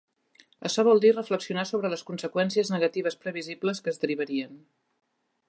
Açò vol dir reflexionar sobre les conseqüències negatives previsibles que es derivarien.